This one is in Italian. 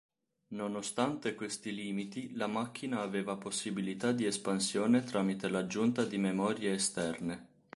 Nonostante questi limiti, la macchina aveva possibilità di espansione tramite l'aggiunta di memorie esterne.